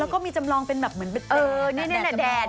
อ๋อแล้วก็มีจำลองเป็นแบบเหมือนเป็นแดด